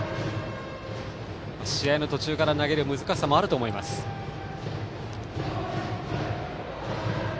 試合の途中から投げる難しさもあると思います、田嶋。